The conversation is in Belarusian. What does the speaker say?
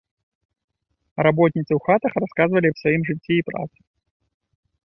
Работніцы ў хатах расказвалі аб сваім жыцці і працы.